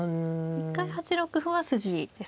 一回８六歩は筋ですか。